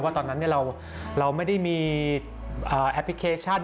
ตอนนั้นเราไม่ได้มีแอปพลิเคชัน